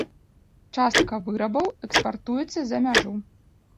Частка вырабаў экспартуецца за мяжу.